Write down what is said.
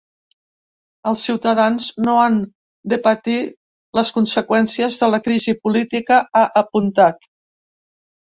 Els ciutadans no han de patir les conseqüències de la crisi política, ha apuntat.